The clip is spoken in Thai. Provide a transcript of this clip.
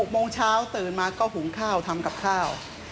โมงเช้าตื่นมาก็หุงข้าวทำกับข้าว